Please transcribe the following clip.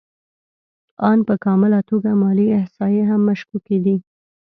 آن په کامله توګه مالي احصایې هم مشکوکې دي